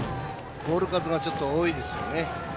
ボール数がちょっと多いですよね。